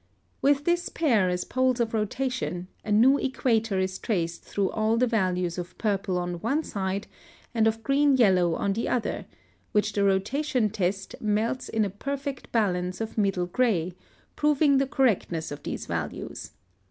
With this pair as poles of rotation, a new equator is traced through all the values of purple on one side and of green yellow on the other, which the rotation test melts in a perfect balance of middle gray, proving the correctness of these values.